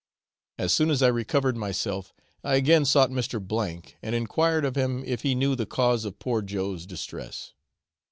As soon as I recovered myself I again sought Mr. O , and enquired of him if he knew the cause of poor Joe's distress.